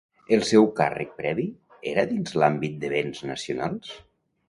El seu càrrec previ era dins l'àmbit de Béns Nacionals?